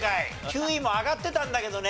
９位も挙がってたんだけどね。